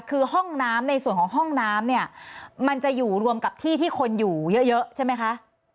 คือห้องน้ำในส่วนของห้องน้ำเนี่ยมันจะอยู่รวมกับที่ที่คนอยู่เยอะใช่ไหมคะ